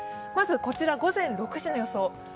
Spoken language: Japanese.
まずこちら午前６時の予想。